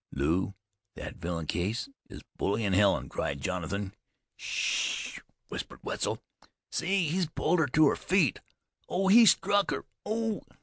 "Lew, that villain Case is bullyin' Helen!" cried Jonathan. "Sh sh h," whispered Wetzel. "See! He's pulled her to her feet. Oh! He struck her! Oh!"